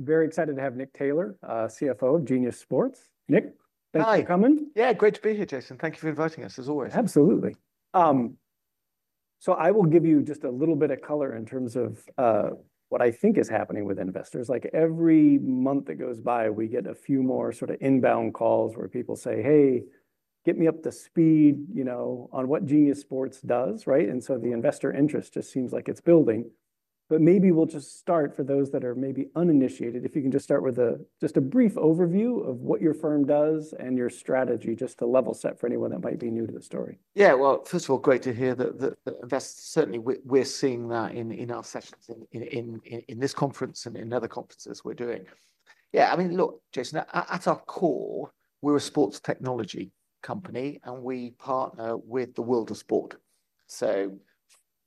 Very excited to have Nick Taylor, CFO Genius Sports. Nick, thanks for coming. Yeah, great to be here, Jason. Thank you for inviting us, as always. Absolutely. I will give you just a little bit of color in terms of what I think is happening with investors. Like every month that goes by, we get a few more sort of inbound calls where people say, "Hey, get me up to speed, you know, on what Genius Sports does," right? The investor interest just seems like it's building. Maybe we'll just start for those that are maybe uninitiated, if you can just start with just a brief overview of what your firm does and your strategy, just to level set for anyone that might be new to the story. Yeah, first of all, great to hear that investors certainly we're seeing that in our sessions in this conference and in other conferences we're doing. I mean, look, Jason, at our core, we're a sports technology company and we partner with the world of sport. So,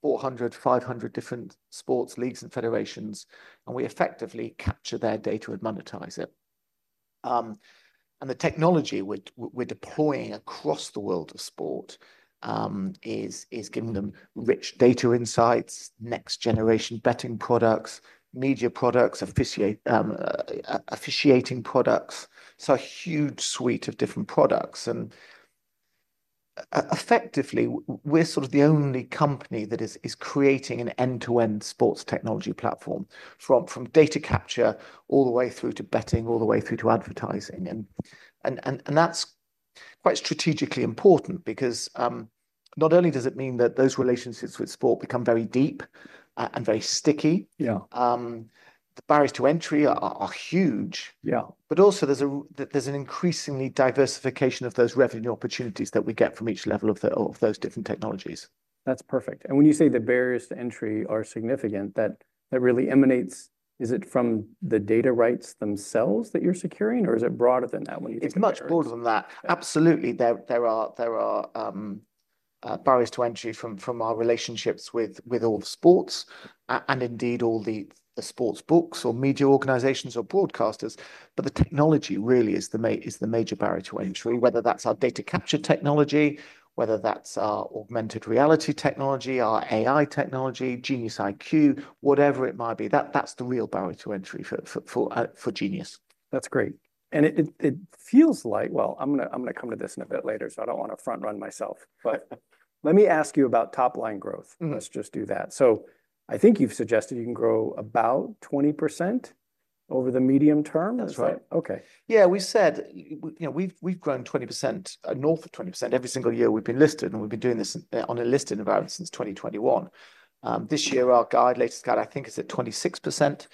400, 500 different sports leagues and federations, and we effectively capture their data and monetize it. The technology we're deploying across the world of sport is giving them rich data insights, next generation betting products, media products, officiating products, a huge suite of different products. Effectively, we're sort of the only company that is creating an end-to-end sports technology platform from data capture all the way through to betting, all the way through to advertising. That's quite strategically important because not only does it mean that those relationships with sport become very deep and very sticky, the barriers to entry are huge, but also there's an increasingly diversification of those revenue opportunities that we get from each level of those different technologies. That's perfect. When you say the barriers to entry are significant, that really emanates, is it from the data rights themselves that you're securing, or is it broader than that? It's much broader than that. Absolutely, there are barriers to entry from our relationships with all the sports and indeed all the sportsbooks or media organizations or broadcasters. The technology really is the major barrier to entry, whether that's our data capture technology, whether that's our augmented reality technology, our AI technology, GeniusIQ, whatever it might be, that's the real barrier to entry for Genius. That's great. It feels like I'm going to come to this a bit later, so I don't want to front run myself. Let me ask you about top line growth. Let's just do that. I think you've suggested you can grow about 20% over the medium term. That's right. Okay. Yeah, we've said, you know, we've grown 20%, north of 20% every single year we've been listed, and we've been doing this in a listed environment since 2021. This year, our latest guide, I think, is at 26%.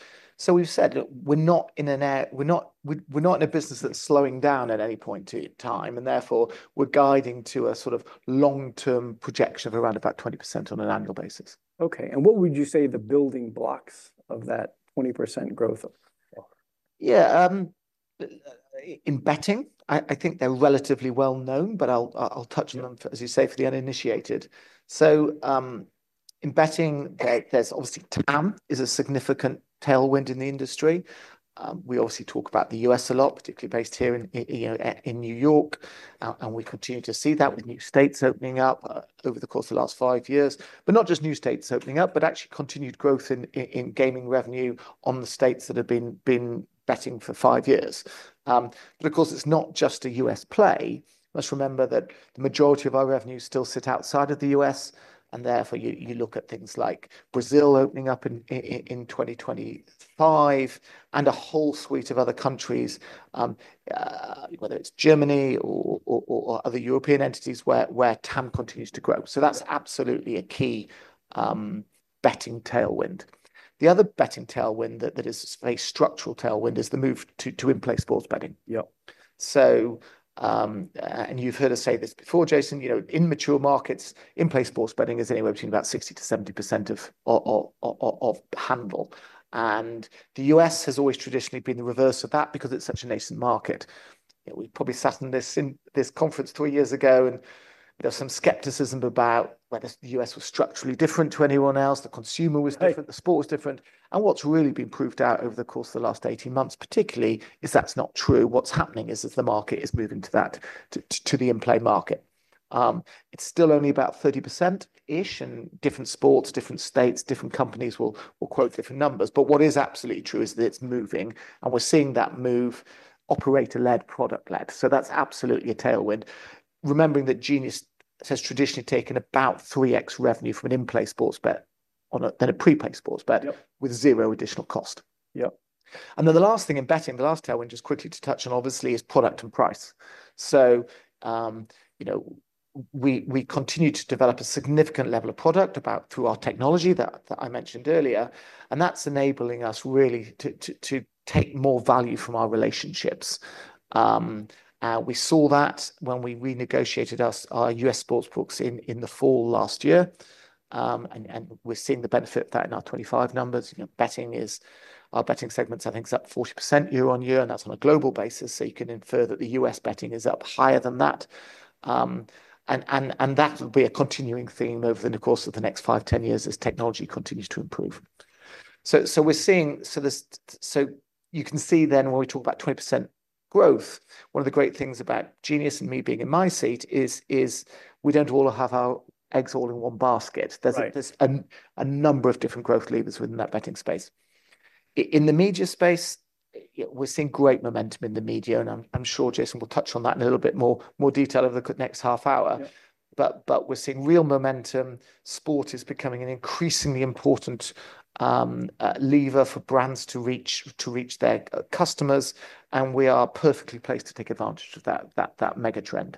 We've said we're not in a business that's slowing down at any point in time, and therefore we're guiding to a sort of long-term projection of around 20% on an annual basis. Okay. What would you say are the building blocks of that 20% growth? Yeah, in betting, I think they're relatively well known, but I'll touch on them, as you say, for the uninitiated. In betting, there's obviously TAM is a significant tailwind in the industry. We obviously talk about the U.S. a lot, particularly based here in New York, and we continue to see that with new states opening up over the course of the last five years. Not just new states opening up, but actually continued growth in gaming revenue on the states that have been betting for five years. Of course, it's not just a U.S. play. Let's remember that the majority of our revenues still sit outside of the U.S., and therefore you look at things like Brazil opening up in 2025 and a whole suite of other countries, whether it's Germany or other European entities where TAM continues to grow. That's absolutely a key betting tailwind. The other betting tailwind that is a very structural tailwind is the move to in-play sports betting. Yep. You have heard us say this before, Jason, in mature markets, in-play sports betting is anywhere between about 60%-70% of handle. The U.S. has always traditionally been the reverse of that because it's such a nascent market. We probably sat in this conference three years ago, and there was some skepticism about whether the U.S. was structurally different to anyone else, the consumer was different, the sport was different. What has really been proved out over the course of the last 18 months, particularly, is that's not true. What is happening is that the market is moving to that, to the in-play market. It's still only about 30%-ish, and different sports, different states, different companies will quote different numbers. What is absolutely true is that it's moving, and we're seeing that move operator-led, product-led. That's absolutely a tailwind. Remembering that Genius has traditionally taken about 3x revenue from an in-play sports bet than a pre-play sports bet with zero additional cost. Yep. The last thing in betting, the last tailwind, just quickly to touch on, obviously, is product and price. We continue to develop a significant level of product through our technology that I mentioned earlier, and that's enabling us really to take more value from our relationships. We saw that when we renegotiated our U.S. sportsbooks in the fall last year, and we're seeing the benefit of that in our 2025 numbers. Betting is our betting segment, I think, is up 40% year on year, and that's on a global basis. You can infer that the U.S. betting is up higher than that. That will be a continuing theme over the course of the next five, ten years as technology continues to improve. You can see then when we talk about 20% growth, one of the great things about Genius and me being in my seat is we don't all have our eggs all in one basket. There's a number of different growth levers within that betting space. In the media space, we're seeing great momentum in the media, and I'm sure Jason will touch on that in a little bit more detail over the next half hour. We're seeing real momentum. Sport is becoming an increasingly important lever for brands to reach their customers, and we are perfectly placed to take advantage of that mega trend.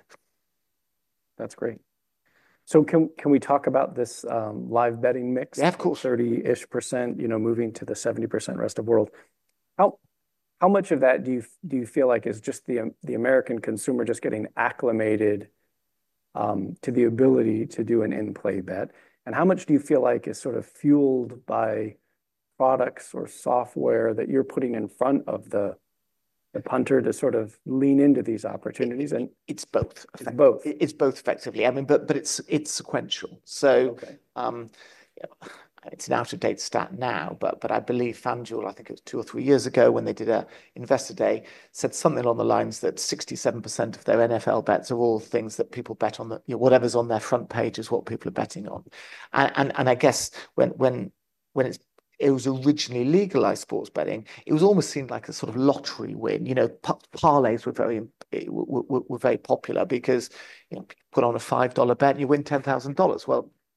That's great. Can we talk about this live betting mix? Yeah, of course. 30% moving to the 70% rest of the world. How much of that do you feel like is just the American consumer just getting acclimated to the ability to do an in-play bet? How much do you feel like is sort of fueled by products or software that you're putting in front of the punter to sort of lean into these opportunities? It's both. It's both effectively. I mean, but it's sequential. So it's an out-of-date stat now, but I believe FanDuel—I think it was two or three years ago when they did an Investor Day—said something along the lines that 67% of their NFL bets are all things that people bet on. Whatever's on their front page is what people are betting on. I guess when it was originally legalized sports betting, it was almost seen like a sort of lottery win. You know, parlays were very popular because you put on a $5 bet and you win $10,000.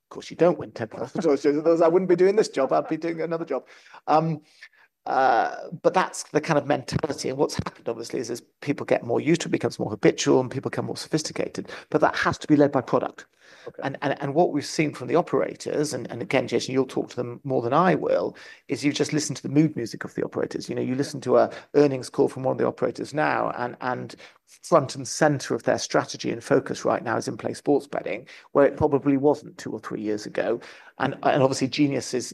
Of course you don't win $10,000. I wouldn't be doing this job. I'd be doing another job. That's the kind of mentality. What's happened, obviously, is as people get more used to it, it becomes more habitual and people become more sophisticated. That has to be led by product. What we've seen from the operators, and again, Jason, you'll talk to them more than I will, is you just listen to the mood music of the operators. You listen to an earnings call from one of the operators now, and front and center of their strategy and focus right now is in-play sports betting, where it probably wasn't two or three years ago. Obviously, Genius is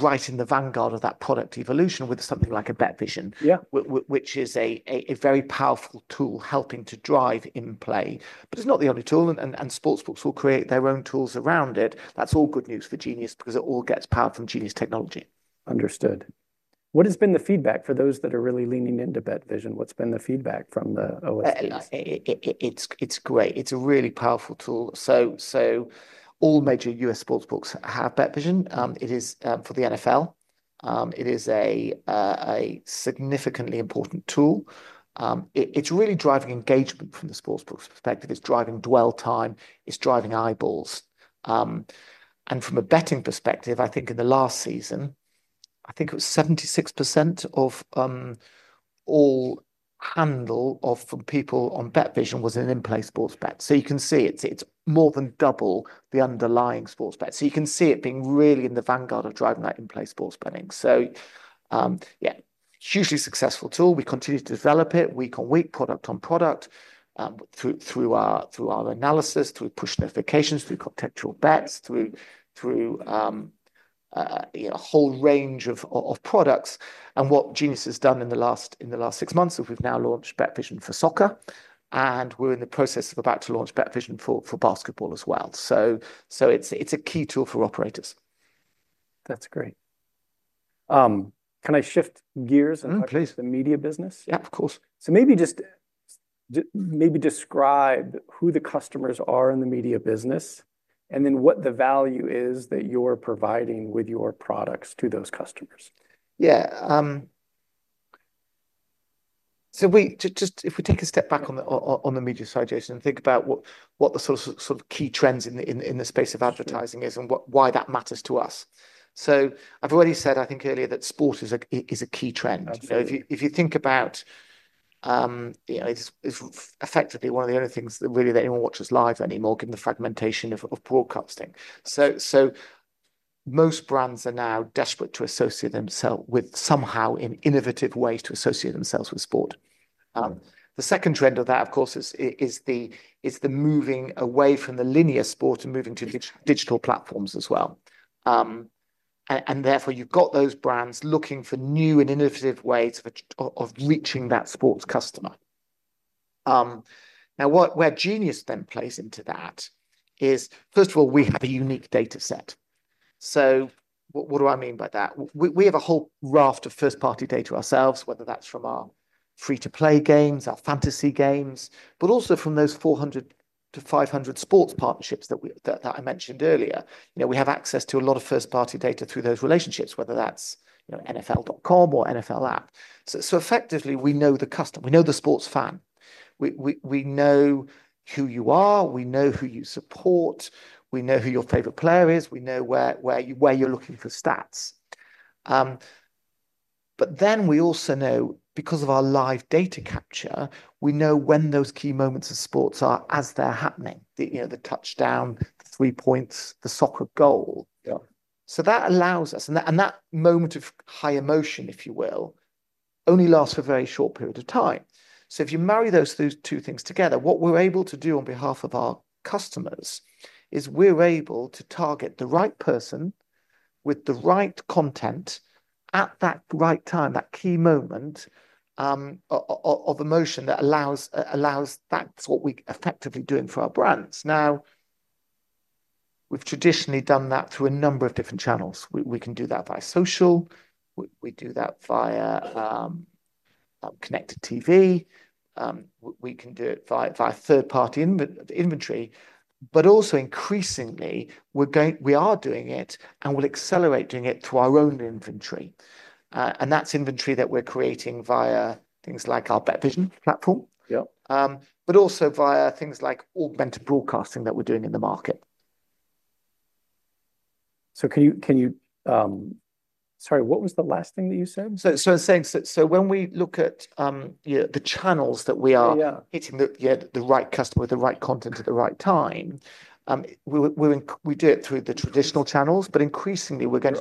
right in the vanguard of that product evolution with something like BetVision, which is a very powerful tool helping to drive in-play. It's not the only tool, and sportsbooks will create their own tools around it. That's all good news for Genius because it all gets powered from Genius technology. Understood. What has been the feedback for those that are really leaning into BetVision? What's been the feedback from the OSP? It's great. It's a really powerful tool. All major U.S. sportsbooks have BetVision. It is for the NFL. It is a significantly important tool. It's really driving engagement from the sportsbook's perspective. It's driving dwell time. It's driving eyeballs. From a betting perspective, I think in the last season, I think it was 76% of all handle from people on BetVision was an in-play sports bet. You can see it's more than double the underlying sports bet. You can see it being really in the vanguard of driving that in-play sports betting. Yeah, hugely successful tool. We continue to develop it week on week, product on product, through our analysis, through push notifications, through contextual bets, through a whole range of products. What Genius has done in the last six months is we've now launched BetVision for soccer, and we're in the process of about to launch BetVision for basketball as well. It's a key tool for operators. That's great. Can I shift gears and move to the media business? Yep, of course. Maybe just describe who the customers are in the media business and then what the value is that you're providing with your products to those customers. Yeah. If we take a step back on the media side, Jason, and think about what the sort of key trends in the space of advertising is and why that matters to us. I've already said, I think earlier, that sport is a key trend. If you think about, you know, it's effectively one of the only things that really anyone watches live anymore, given the fragmentation of broadcasting. Most brands are now desperate to associate themselves with somehow an innovative way to associate themselves with sport. The second trend of that, of course, is the moving away from the linear sport and moving to digital platforms as well. Therefore, you've got those brands looking for new and innovative ways of reaching that sports customer. Now where Genius then plays into that is, first of all, we have a unique data set. What do I mean by that? We have a whole raft of first-party data ourselves, whether that's from our free-to-play games, our fantasy games, but also from those 400 to 500 sports partnerships that I mentioned earlier. We have access to a lot of first-party data through those relationships, whether that's NFL.com or NFL app. Effectively, we know the customer, we know the sports fan. We know who you are, we know who you support, we know who your favorite player is, we know where you're looking for stats. We also know, because of our live data capture, we know when those key moments of sports are as they're happening, you know, the touchdown, the three points, the soccer goal. That allows us, and that moment of high emotion, if you will, only lasts for a very short period of time. If you marry those two things together, what we're able to do on behalf of our customers is we're able to target the right person with the right content at that right time, that key moment of emotion that allows that. What we're effectively doing for our brands. We've traditionally done that through a number of different channels. We can do that via social, we do that via connected TV, we can do it via third-party inventory, but also increasingly, we are doing it and will accelerate doing it through our own inventory. That's inventory that we're creating via things like our BetVision platform, but also via things like augmented broadcasting that we're doing in the market. Can you, sorry, what was the last thing that you said? When we look at the channels that we are hitting the right customer with the right content at the right time, we do it through the traditional channels, but increasingly we're going to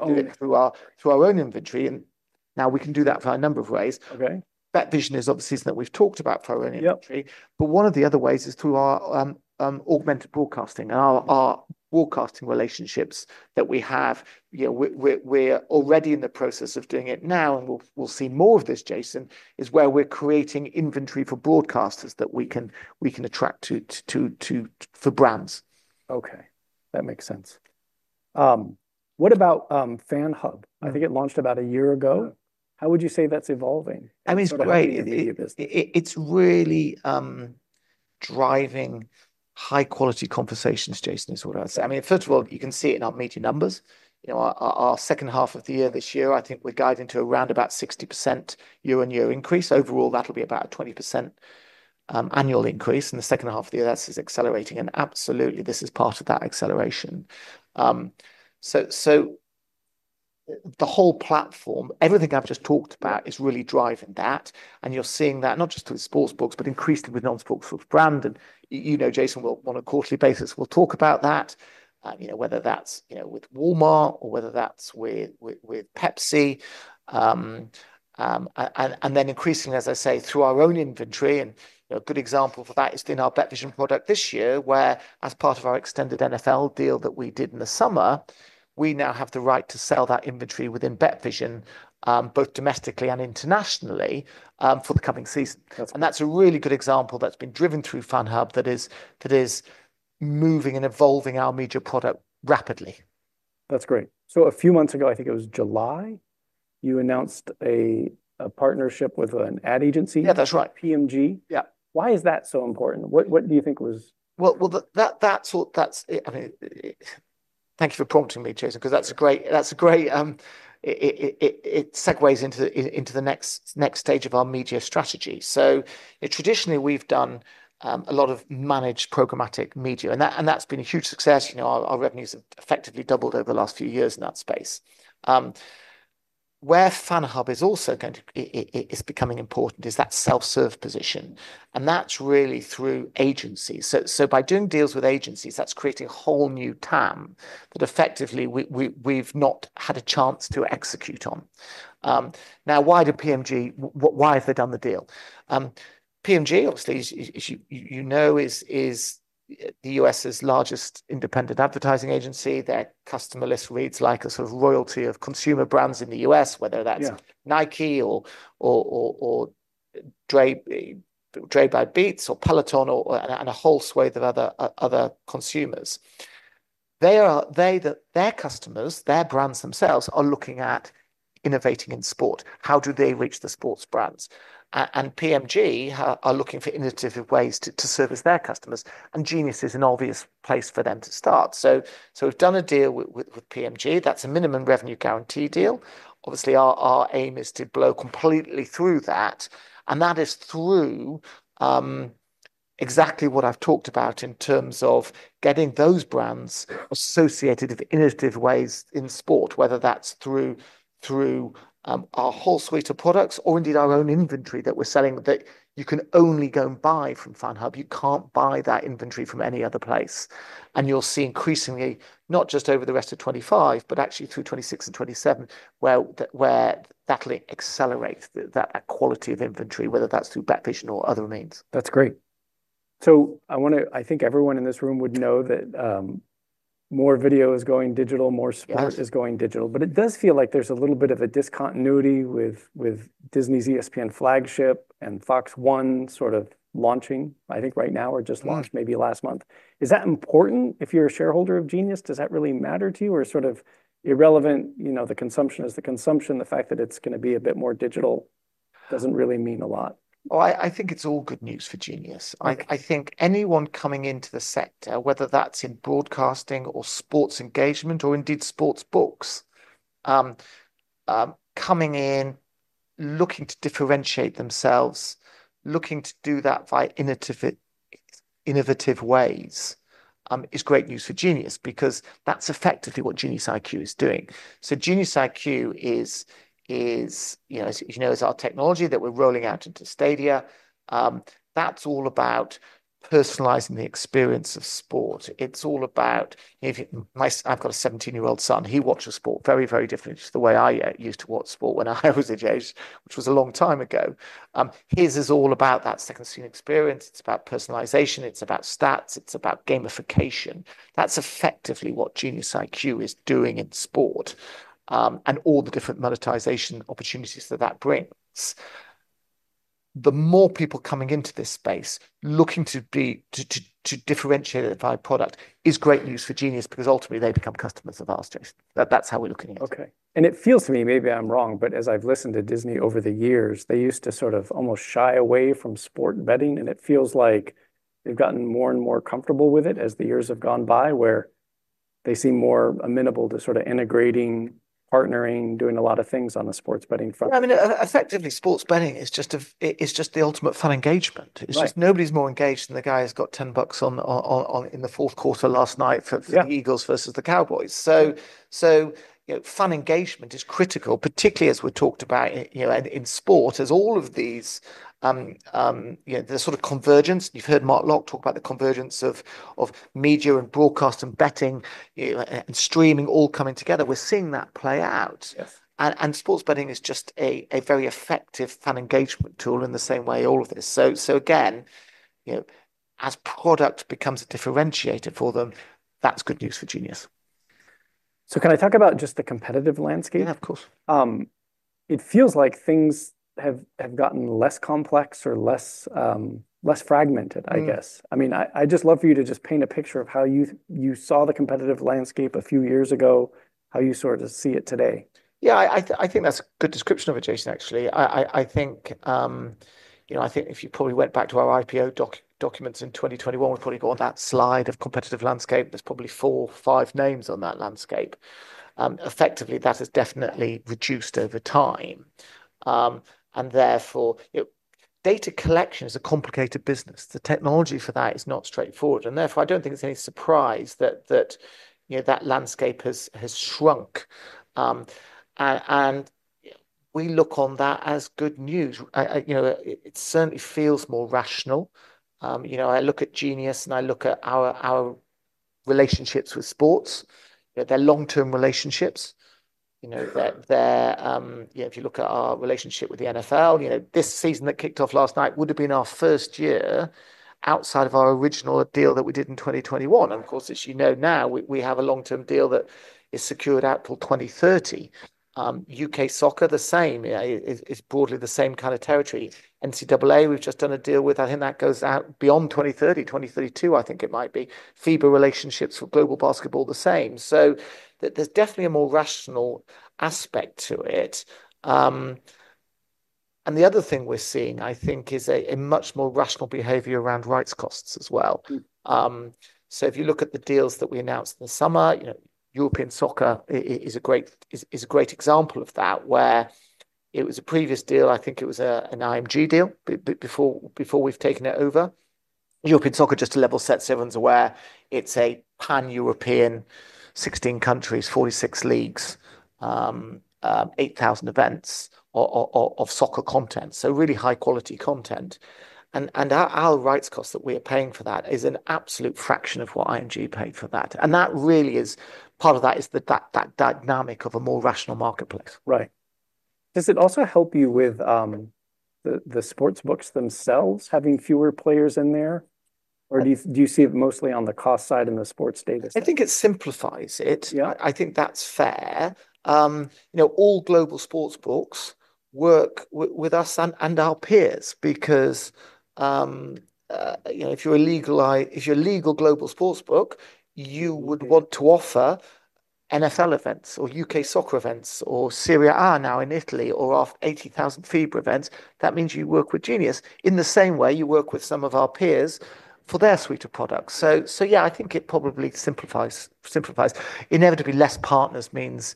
do it through our own inventory. We can do that for a number of ways. BetVision is obviously something that we've talked about for our own inventory, but one of the other ways is through our augmented broadcasting and our broadcasting relationships that we have. We're already in the process of doing it now, and we'll see more of this, Jason, where we're creating inventory for broadcasters that we can attract to brands. Okay, that makes sense. What about FanHub? I think it launched about a year ago. How would you say that's evolving? I mean, it's great. It's really driving high-quality conversations, Jason, is what I'd say. First of all, you can see it in our media numbers. Our second half of the year this year, I think we're guiding to around about 60% year-on-year increase. Overall, that'll be about a 20% annual increase. In the second half of the year, that's accelerating, and absolutely, this is part of that acceleration. The whole platform, everything I've just talked about is really driving that. You're seeing that not just with sportsbooks, but increasingly with non-sportsbook brands. On a quarterly basis, we'll talk about that, whether that's with Walmart or whether that's with Pepsi. Increasingly, as I say, through our own inventory. A good example for that is in our BetVision product this year, where as part of our extended NFL deal that we did in the summer, we now have the right to sell that inventory within BetVision, both domestically and internationally for the coming season. That's a really good example that's been driven through FanHub that is moving and evolving our media product rapidly. That's great. A few months ago, I think it was July, you announced a partnership with an ad agency. Yeah, that's right. PMG. Yeah. Why is that so important? What do you think it was? Thank you for prompting me, Jason, because that's a great, it segues into the next stage of our media strategy. Traditionally, we've done a lot of managed programmatic media, and that's been a huge success. Our revenues have effectively doubled over the last few years in that space. Where FanHub is also going to, it's becoming important is that self-serve position. That's really through agencies. By doing deals with agencies, that's creating a whole new total addressable market that effectively we've not had a chance to execute on. Now, why did PMG, why have they done the deal? PMG, obviously, as you know, is the U.S.'s largest independent advertising agency. Their customer list reads like a sort of royalty of consumer brands in the U.S., whether that's Nike or Dre, Dreback Beats or Peloton and a whole swathe of other consumers. Their customers, their brands themselves are looking at innovating in sport. How do they reach the sports brands? PMG are looking for innovative ways to service their customers. Genius is an obvious place for them to start. We've done a deal with PMG. That's a minimum revenue guarantee deal. Our aim is to blow completely through that. That is through exactly what I've talked about in terms of getting those brands associated with innovative ways in sport, whether that's through our whole suite of products or indeed our own inventory that we're selling that you can only go and buy from FanHub. You can't buy that inventory from any other place. You'll see increasingly, not just over the rest of 2025, but actually through 2026 and 2027, where that will accelerate that quality of inventory, whether that's through BetVision or other means. That's great. I think everyone in this room would know that more video is going digital, more sport is going digital, but it does feel like there's a little bit of a discontinuity with Disney's ESPN flagship and Fox One sort of launching, I think right now or just launched maybe last month. Is that important if you're a shareholder of Geniu? Does that really matter to you or sort of irrelevant? You know, the consumption is the consumption. The fact that it's going to be a bit more digital doesn't really mean a lot. I think it's all good news for Genius. I think anyone coming into the sector, whether that's in broadcasting or sports engagement or indeed sports books, coming in looking to differentiate themselves, looking to do that via innovative ways is great news for Genius because that's effectively what GeniusIQ is doing. GeniusIQ is, you know, as our technology that we're rolling out into Stadia, that's all about personalizing the experience of sport. It's all about, if I've got a 17-year-old son, he watches sport very, very differently to the way I used to watch sport when I was a Jason, which was a long time ago. His is all about that second screen experience. It's about personalization. It's about stats. It's about gamification. That's effectively what GeniusIQ is doing in sport and all the different monetization opportunities that that brings. The more people coming into this space looking to differentiate it by product is great news for Genius because ultimately they become customers of ours, Jason. That's how we're looking at it. Okay. It feels to me, maybe I'm wrong, but as I've listened to Disney over the years, they used to sort of almost shy away from sport and betting, and it feels like they've gotten more and more comfortable with it as the years have gone by, where they seem more amenable to sort of integrating, partnering, doing a lot of things on a sports betting front. I mean, effectively, sports betting is just the ultimate fun engagement. Nobody's more engaged than the guy who's got $10 in the fourth quarter last night for the Eagles versus the Cowboys. Fun engagement is critical, particularly as we talked about in sport, as all of these, you know, the sort of convergence. You've heard Mark Locke talk about the convergence of media and broadcast and betting and streaming all coming together. We're seeing that play out. Sports betting is just a very effective fun engagement tool in the same way all of this. Again, as product becomes a differentiator for them, that's good news for Genius. Can I talk about just the competitive landscape? Yeah, of course. It feels like things have gotten less complex or less fragmented, I guess. I'd just love for you to paint a picture of how you saw the competitive landscape a few years ago, how you sort of see it today. Yeah, I think that's a good description of it, Jason, actually. I think if you probably went back to our IPO documents in 2021, we'd probably go on that slide of competitive landscape. There's probably four, five names on that landscape. Effectively, that has definitely reduced over time. Therefore, data collection is a complicated business. The technology for that is not straightforward. I don't think it's any surprise that landscape has shrunk. We look on that as good news. It certainly feels more rational. I look at Genius and I look at our relationships with sports. They're long-term relationships. If you look at our relationship with the NFL, this season that kicked off last night would have been our first year outside of our original deal that we did in 2021. Of course, as you know now, we have a long-term deal that is secured out until 2030. U.K. soccer, the same. It's broadly the same kind of territory. NCAA, we've just done a deal with. I think that goes out beyond 2030, 2032, I think it might be. FIBA relationships with global basketball, the same. There's definitely a more rational aspect to it. The other thing we're seeing, I think, is a much more rational behavior around rights costs as well. If you look at the deals that we announced in the summer, European soccer is a great example of that, where it was a previous deal. I think it was an IMG deal before we've taken it over. European soccer, just to level set, everyone's aware, it's a pan-European, 16 countries, 46 leagues, 8,000 events of soccer content. Really high-quality content. Our rights cost that we are paying for that is an absolute fraction of what IMG paid for that. That really is part of that dynamic of a more rational marketplace. Right. Does it also help you with the sportsbooks themselves having fewer players in there, or do you see it mostly on the cost side in the sports data? I think it simplifies it. I think that's fair. All global sports books work with us and our peers because, if you're a legal global sports book, you would want to offer NFL events or UK soccer events or Serie A now in Italy or after 80,000 FIBA events. That means you work with Genius Sports. In the same way, you work with some of our peers for their suite of products. I think it probably simplifies. Inevitably, fewer partners means,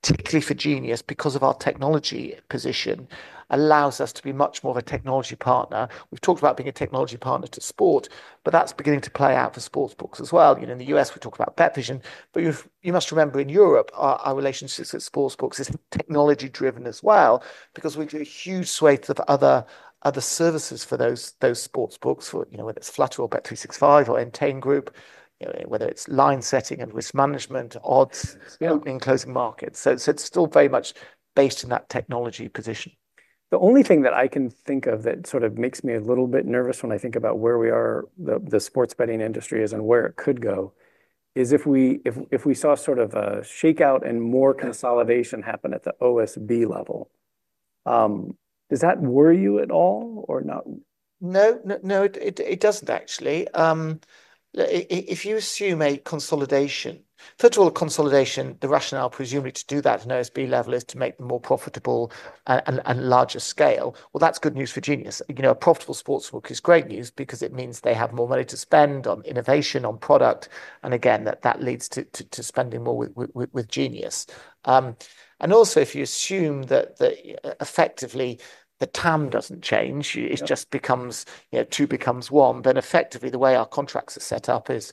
particularly for Genius, because our technology position allows us to be much more of a technology partner. We've talked about being a technology partner to sport, but that's beginning to play out for sports books as well. In the U.S., we talk about BetVision, but you must remember in Europe, our relationships with sports books is technology-driven as well because we do a huge swathe of other services for those sports books, whether it's Flutter or Bet365 or N10 Group, whether it's line setting and risk management, odds, opening and closing markets. It's still very much based in that technology position. The only thing that I can think of that sort of makes me a little bit nervous when I think about where we are, the sports betting industry is and where it could go, is if we saw sort of a shakeout and more consolidation happen at the OSB level. Does that worry you at all or not? No, no, it doesn't actually. If you assume a consolidation, first of all, consolidation, the rationale presumably to do that at an OSB level is to make them more profitable and larger scale. That's good news for Genius. You know, a profitable sports book is great news because it means they have more money to spend on innovation, on product, and again, that leads to spending more with Genius. Also, if you assume that effectively the total addressable market doesn't change, it just becomes two becomes one, then effectively the way our contracts are set up is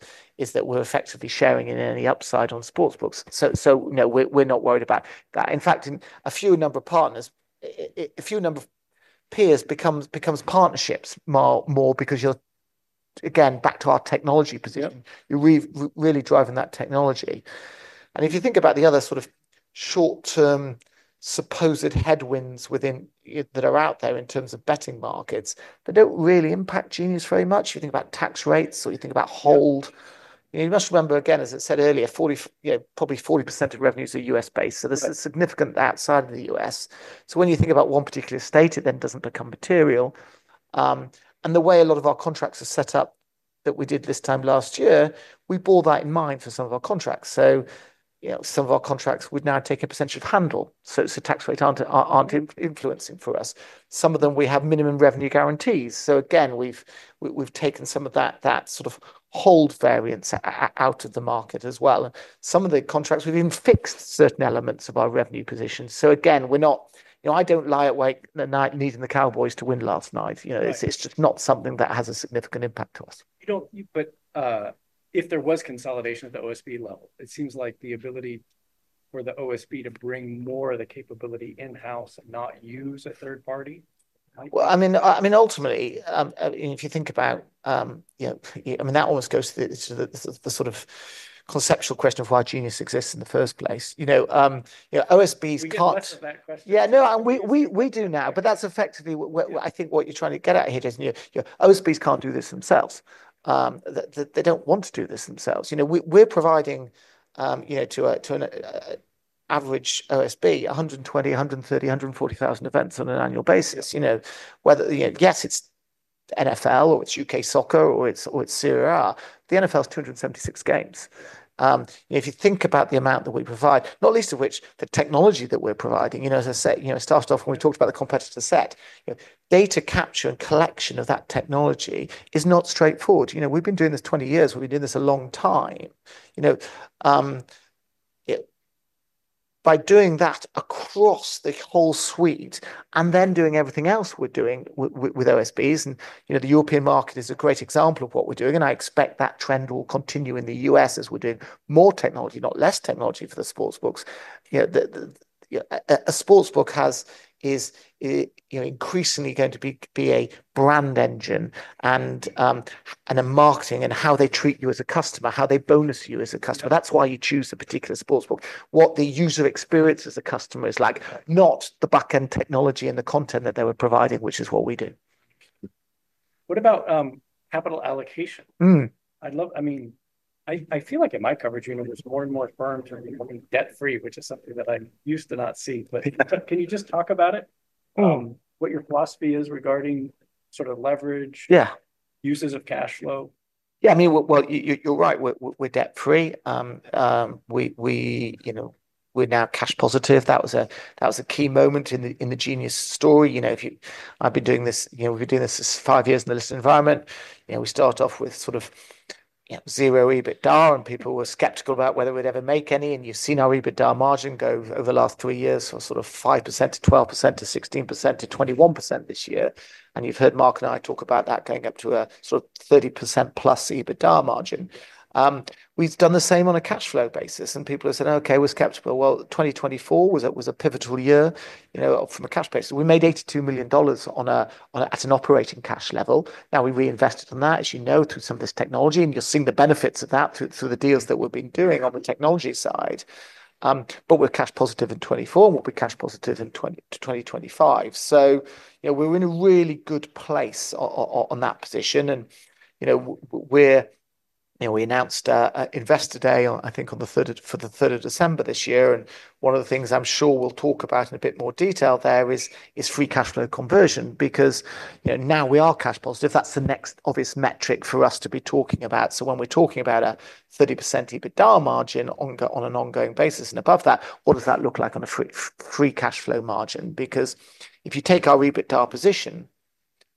that we're effectively sharing in any upside on sports books. No, we're not worried about that. In fact, a few number of partners, a few number of peers becomes partnerships more because you're, again, back to our technology position, you're really driving that technology. If you think about the other sort of short-term supposed headwinds that are out there in terms of betting markets, they don't really impact Genius very much. You think about tax rates or you think about hold. You must remember, again, as I said earlier, probably 40% of revenues are U.S.-based. This is significantly outside of the U.S. When you think about one particular state, it then doesn't become material. The way a lot of our contracts are set up that we did this time last year, we bore that in mind for some of our contracts. Some of our contracts would now take a percentage of handle. It's a tax rate, aren't it, influencing for us? Some of them we have minimum revenue guarantees. Again, we've taken some of that sort of hold variance out of the market as well. Some of the contracts we've even fixed certain elements of our revenue position. Again, we're not, you know, I don't lie awake at night needing the Cowboys to win last night. It's just not something that has a significant impact to us. If there was consolidation at the OSB level, it seems like the ability for the OSB to bring more of the capability in-house and not use a third party. Ultimately, if you think about, you know, that almost goes to the sort of conceptual question of why Genius exists in the first place. You know, OSBs can't. Can you answer that question? Yeah, no, and we do now, but that's effectively, I think, what you're trying to get at here, Jason. You know, OSBs can't do this themselves. They don't want to do this themselves. We're providing to an average OSB 120,000, 130,000, 140,000 events on an annual basis. Whether, yes, it's NFL or it's U.K. soccer or it's Serie A, the NFL's 276 games. If you think about the amount that we provide, not least of which the technology that we're providing, as I say, it starts off when we talked about the competitor set. Data capture and collection of that technology is not straightforward. We've been doing this 20 years. We've been doing this a long time. By doing that across the whole suite and then doing everything else we're doing with OSBs, the European market is a great example of what we're doing, and I expect that trend will continue in the U.S. as we're doing more technology, not less technology for the sports books. A sports book is increasingly going to be a brand engine and a marketing and how they treat you as a customer, how they bonus you as a customer. That's why you choose a particular sports book. What the user experience as a customer is like, not the backend technology and the content that they were providing, which is what we do. What about capital allocation? I love, I mean, I feel like in my coverage, you know, there's more and more firms are becoming debt-free, which is something that I'm used to not seeing. Can you just talk about it? What your philosophy is regarding sort of leverage? Yeah. Uses of cash flow? Yeah, I mean, you're right. We're debt-free. We're now cash positive. That was a key moment in the Genius story. I've been doing this, we've been doing this as five years in the list environment. We started off with sort of zero EBITDA, and people were skeptical about whether we'd ever make any. You've seen our EBITDA margin go over the last three years from sort of 5% to 12% to 16% to 21% this year. You've heard Mark and I talk about that going up to a sort of 30%+ EBITDA margin. We've done the same on a cash flow basis. People have said, okay, it was skeptical. 2024 was a pivotal year from a cash base. We made $82 million on an operating cash level. Now we reinvested on that, as you know, through some of this technology. You're seeing the benefits of that through the deals that we've been doing on the technology side. We're cash positive in 2024, and we'll be cash positive in 2025. We're in a really good place on that position. We announced an Investor Day, I think, for the 3rd of December this year. One of the things I'm sure we'll talk about in a bit more detail there is free cash flow conversion because now we are cash positive. That's the next obvious metric for us to be talking about. When we're talking about a 30% EBITDA margin on an ongoing basis and above that, what does that look like on a free cash flow margin? If you take our EBITDA position,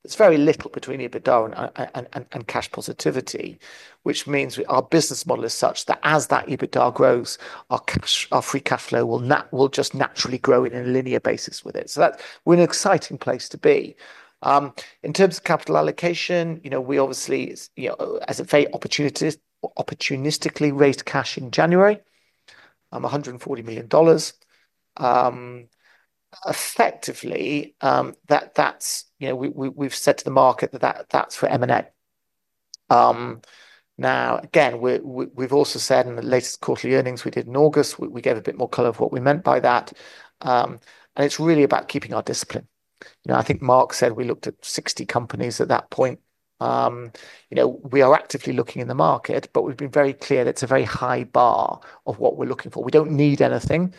there's very little between EBITDA and cash positivity, which means our business model is such that as that EBITDA grows, our free cash flow will just naturally grow in a linear basis with it. That's an exciting place to be. In terms of capital allocation, we obviously, as a very opportunistically raised cash in January, $140 million. Effectively, that's, we've said to the market that that's for M&A. We've also said in the latest quarterly earnings we did in August, we gave a bit more color of what we meant by that. It's really about keeping our discipline. I think Mark said we looked at 60 companies at that point. We are actively looking in the market, but we've been very clear that it's a very high bar of what we're looking for. We don't need anything,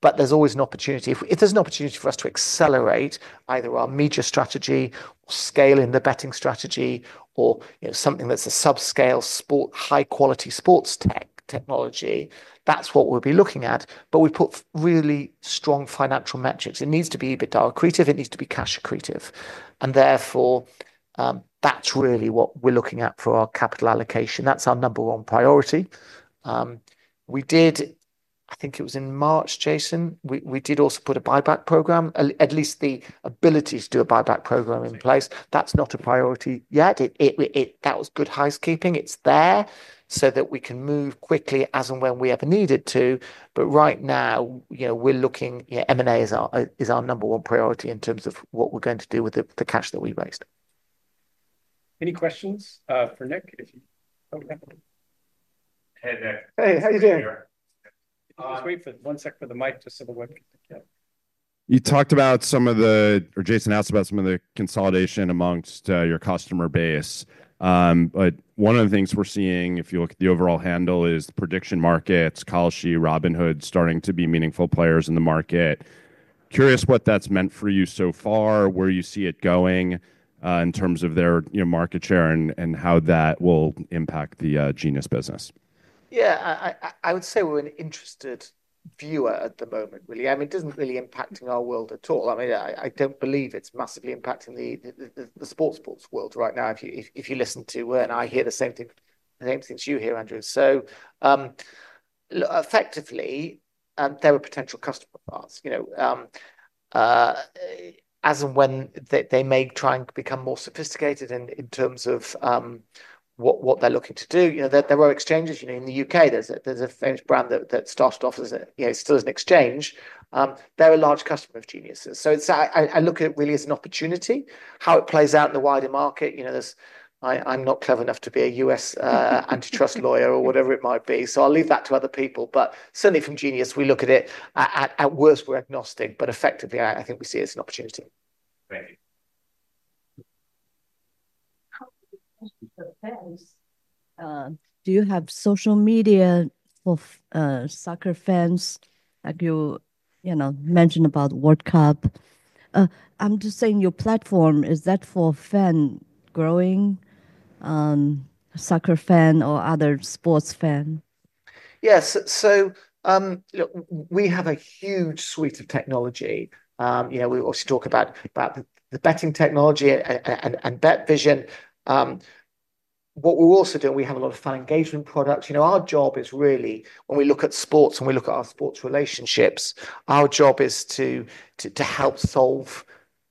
but there's always an opportunity. If there's an opportunity for us to accelerate either our media strategy or scale in the betting strategy or something that's a sub-scale sport, high-quality sports technology, that's what we'll be looking at. We put really strong financial metrics. It needs to be a bit accretive. It needs to be cash accretive. Therefore, that's really what we're looking at for our capital allocation. That's our number one priority. I think it was in March, Jason, we did also put a buyback program, at least the ability to do a buyback program in place. That's not a priority yet. That was good housekeeping. It's there so that we can move quickly as and when we ever needed to. Right now, we're looking, M&A is our number one priority in terms of what we're going to do with the cash that we raised. Any questions for Nick? Hey, how are you doing? He's waiting for one sec for the mic just so the web. You talked about some of the, or Jason asked about some of the consolidation amongst your customer base. One of the things we're seeing, if you look at the overall handle, is the prediction markets, Kalshi, Robinhood starting to be meaningful players in the market. Curious what that's meant for you so far, where you see it going in terms of their market share and how that will impact the Genius business. Yeah, I would say we're an interested viewer at the moment, really. I mean, it doesn't really impact our world at all. I don't believe it's massively impacting the sportsbooks world right now. If you listen to, and I hear the same things you hear, Andrew. Effectively, there are potential customer parts, as and when they may try and become more sophisticated in terms of what they're looking to do. There were exchanges in the U.K., there's a famous brand that started off as, and still is, an exchange. They're a large customer of Genius. I look at it really as an opportunity, how it plays out in the wider market. I'm not clever enough to be a U.S. antitrust lawyer or whatever it might be. I'll leave that to other people. Certainly from Genius Sports, we look at it at worst, we're agnostic, but effectively, I think we see it as an opportunity. Do you have social media for soccer fans? Like you mentioned about World Cup. I'm just saying your platform, is that for fan growing, soccer fan or other sports fan? Yeah, so we have a huge suite of technology. You know, we also talk about the betting technology and BetVision. What we're also doing, we have a lot of fan engagement products. You know, our job is really, when we look at sports and we look at our sports relationships, our job is to help solve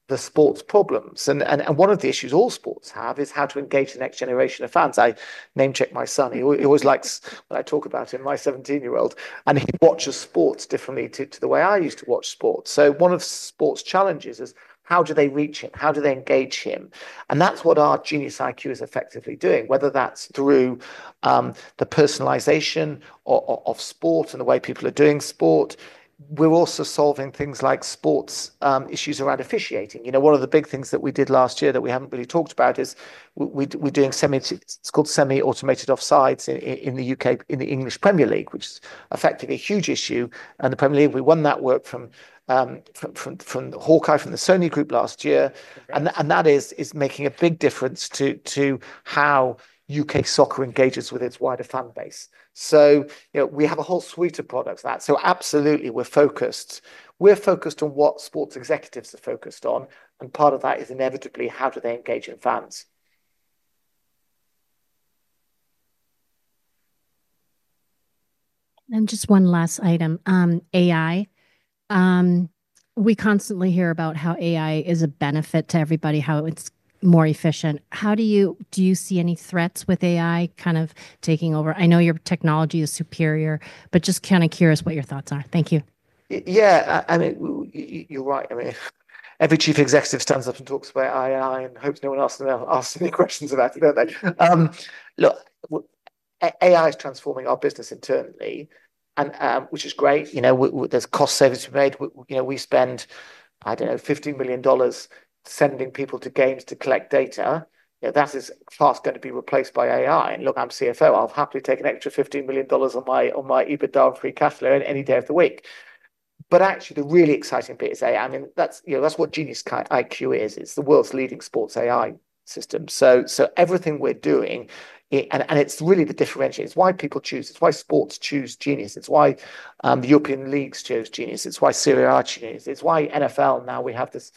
the sports problems. One of the issues all sports have is how to engage the next generation of fans. I name-check my son. He always likes when I talk about him, my 17-year-old, and he watches sports differently to the way I used to watch sports. One of sports challenges is how do they reach him? How do they engage him? That's what our GeniusIQ is effectively doing, whether that's through the personalization of sport and the way people are doing sport. We're also solving things like sports issues around officiating. One of the big things that we did last year that we haven't really talked about is we're doing semi, it's called Semi-Automated Offside Technology in the U.K., in the Premier League, which is effectively a huge issue. The Premier League, we won that work from Hawk-Eye from the Sony Group last year. That is making a big difference to how U.K. soccer engages with its wider fan base. We have a whole suite of products for that. Absolutely, we're focused. We're focused on what sports executives are focused on. Part of that is inevitably how do they engage in fans. Just one last item, AI. We constantly hear about how AI is a benefit to everybody, how it's more efficient. How do you, do you see any threats with AI kind of taking over? I know your technology is superior, but just kind of curious what your thoughts are. Thank you. Yeah, I mean, you're right. I mean, every Chief Executive stands up and talks about AI and hopes no one asks them any questions about it, don't they? AI is transforming our business internally, which is great. You know, there's cost savings to be made. You know, we spend, I don't know, $15 million sending people to games to collect data. That is fast going to be replaced by AI. Look, I'm CFO. I'll happily take an extra $15 million on my EBITDA and free cash flow any day of the week. Actually, the really exciting bit is AI. I mean, that's what GeniusIQ is. It's the world's leading sports AI system. Everything we're doing, and it's really the differentiator. It's why people choose, it's why sports choose Genius. It's why the European soccer leagues choose Genius. It's why Serie A choose. It's why NFL. Now we have this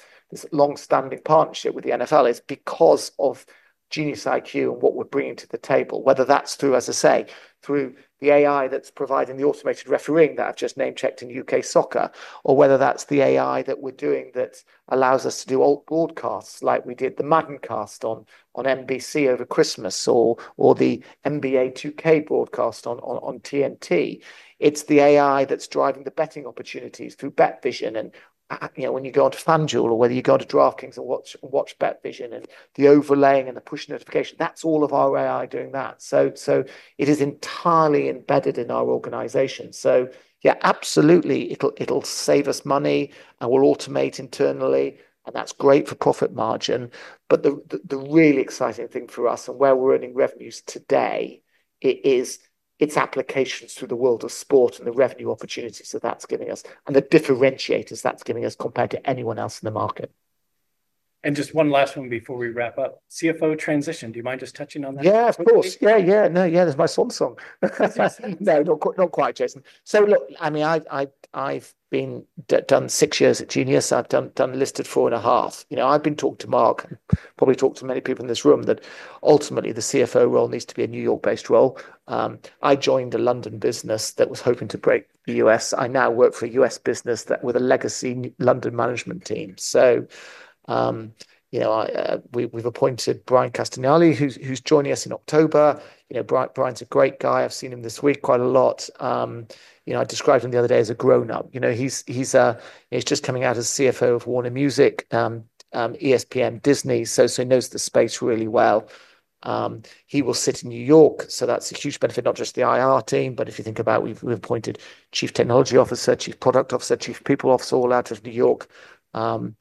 long-standing partnership with the NFL. It's because of GeniusIQ and what we're bringing to the table, whether that's through, as I say, through the AI that's providing the automated refereeing that I've just name-checked in U.K. soccer, or whether that's the AI that we're doing that allows us to do old broadcasts like we did the Madden Cast on NBC over Christmas or the NBA 2K broadcast on TNT. It's the AI that's driving the betting opportunities through BetVision. You know, when you go on to FanDuel or whether you go on to DraftKings and watch BetVision and the overlaying and the push notification, that's all of our AI doing that. It is entirely embedded in our organization. Yeah, absolutely, it'll save us money and we'll automate internally. That's great for profit margin. The really exciting thing for us and where we're earning revenues today is its applications through the world of sport and the revenue opportunities that that's giving us and the differentiators that's giving us compared to anyone else in the market. Just one last one before we wrap up. CFO transition, do you mind just touching on that? Yeah, of course. Yeah, yeah. No, yeah, there's my swan song. No, not quite, Jason. Look, I mean, I've done six years at Genius. I've done the listed four and a half. I've been talking to Mark, probably talked to many people in this room that ultimately the CFO role needs to be a New York-based role. I joined a London business that was hoping to break the U.S. I now work for a U.S. business with a legacy London management team. We've appointed Bryan Castellani, who's joining us in October. Bryan's a great guy. I've seen him this week quite a lot. I described him the other day as a grown-up. He's just coming out as CFO of Warner Music, ESPN, Disney. He knows the space really well. He will sit in New York. That's a huge benefit, not just the IR team, but if you think about we've appointed Chief Technology Officer, Chief Product Officer, Chief People Officer, all out of New York. I'm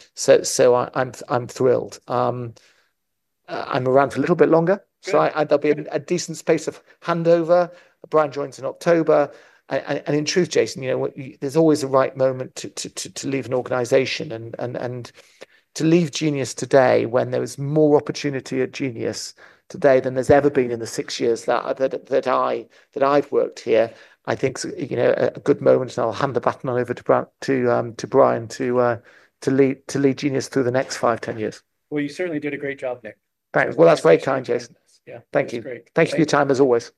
thrilled. I'm around for a little bit longer. There'll be a decent space of handover. Bryan joins in October. In truth, Jason, there's always the right moment to leave an organization and to leave Genius today when there is more opportunity at Genius today than there's ever been in the six years that I've worked here. I think a good moment. I'll hand the baton over to Bryan to lead Genius through the next five, 10 years. You certainly did a great job, Nick. Thank you, Jason. Thank you for your time, as always.